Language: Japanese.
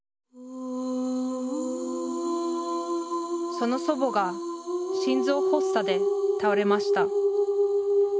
その祖母が心臓発作で倒れました。